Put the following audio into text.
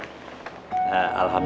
alhamdulillah setelah dihitung